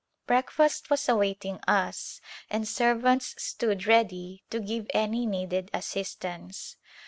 Breakfast was awaitins; us and servants stood ready to give any needed assistance.